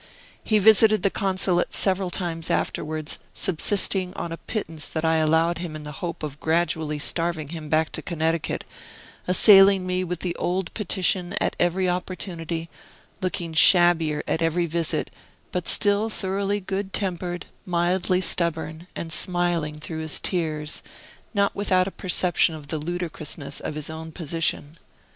He visited the Consulate several times afterwards, subsisting on a pittance that I allowed him in the hope of gradually starving him back to Connecticut, assailing me with the old petition at every opportunity, looking shabbier at every visit, but still thoroughly good tempered, mildly stubborn, and smiling through his tears, not without a perception of the ludicrousness of his own position.